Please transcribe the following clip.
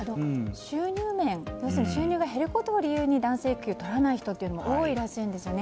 収入面、収入が減ることを理由に男性育休を取らない人って多いらしいんですよね。